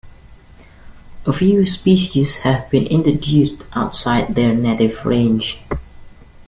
A few species have been introduced outside their native range.